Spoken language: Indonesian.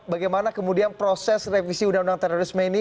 bagaimana kemudian proses revisi undang undang terorisme ini